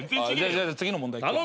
じゃあ次の問題いくわ。